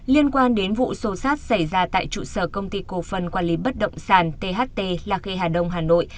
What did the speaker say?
liên quan đến vụ xô sát xảy ra tại trụ sở công ty cộng phần quản lý bất động sản tht lạc kê hà đông hà nội